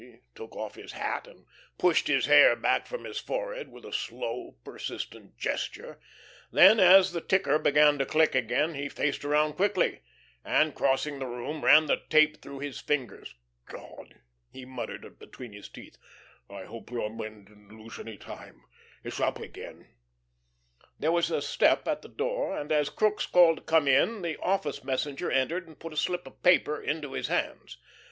He took off his hat, and pushed the hair back from his forehead with a slow, persistent gesture; then as the ticker began to click again, he faced around quickly, and crossing the room, ran the tape through his fingers. "God," he muttered, between his teeth, "I hope your men didn't lose any time. It's up again." There was a step at the door, and as Crookes called to come in, the office messenger entered and put a slip of paper into his hands.